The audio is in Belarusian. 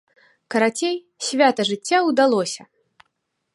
Карацей, свята жыцця ўдалося!